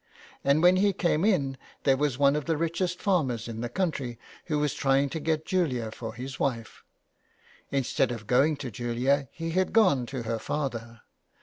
And when he came in there was one of the richest farmers in the country who was trying to get Julia for his wife. Instead of going to Julia, he had gone to the father.